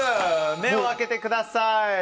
目を開けてください。